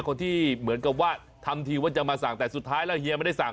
คนที่เหมือนกับว่าทำทีว่าจะมาสั่งแต่สุดท้ายแล้วเฮียไม่ได้สั่ง